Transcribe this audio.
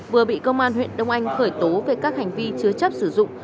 vừa bị công an huyện đông anh khởi tố về các hành vi chứa chấp sử dụng